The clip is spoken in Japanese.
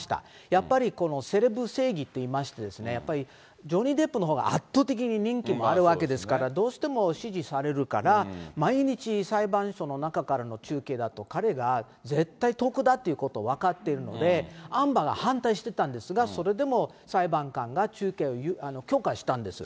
やっぱりセレブ正義といいまして、やっぱりジョニー・デップのほうが圧倒的に人気もあるわけですから、どうしても支持されるから、毎日裁判所の中からの中継だと、彼が絶対得だということ分かってるので、アンバーが反対してたんですが、それでも裁判官が中継を許可したんです。